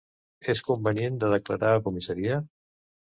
És convenient de declarar a comissaria?